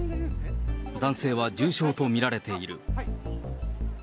男性は重傷と見られている。